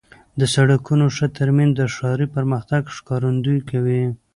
د سړکونو ښه ترمیم د ښاري پرمختګ ښکارندویي کوي.